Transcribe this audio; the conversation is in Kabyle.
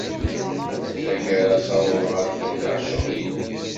Tagara ssawḍeɣ ad fakeɣ ccɣel-inu.